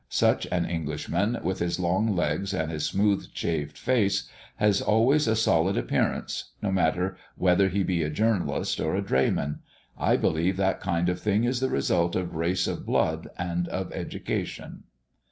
Such an Englishman, with his long legs and his smooth shaved face, has always a solid appearance, no matter whether he be a journalist or a drayman. I believe that kind of thing is the result of race of blood, and of education.